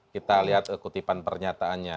kita lihat kutipan pernyataannya